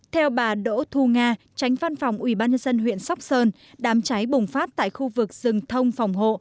theo bà đỗ thu nga tránh văn phòng ubnd huyện sóc sơn đám cháy bùng phát tại khu vực rừng thông phòng hộ